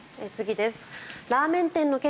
次です。